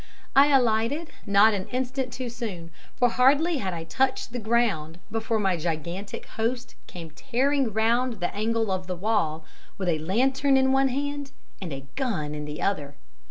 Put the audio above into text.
I alighted not an instant too soon, for hardly had I touched the ground before my gigantic host came tearing round the angle of the wall with a lantern in one hand and gun in the other.